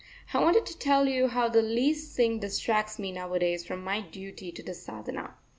I wanted to tell you how the least thing distracts me nowadays from my duty to the Sadhana.